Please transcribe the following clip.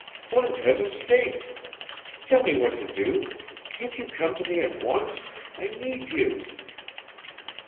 Flint has escaped. Tell me what to do. Can't you come to me at once? I need you."